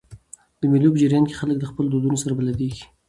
د مېلو په جریان کښي خلک له خپلو دودونو سره بلديږي.